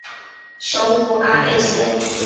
首府阿贝歇。